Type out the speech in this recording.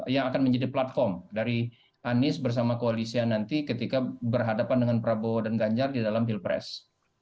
yang akan menjadi platform dari anies bersama koalisnya nanti ketika berhadapan dengan prabowo dan ganjar di dalam hill press